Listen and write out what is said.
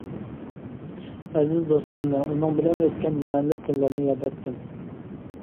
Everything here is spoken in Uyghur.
ئەزىز دوستۇمنى، ئۇنىڭ بىلەن ئۆتكەن مەنىلىك كۈنلەرنى ياد ئەتتىم.